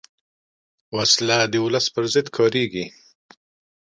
وسله د ولس پر ضد کارېږي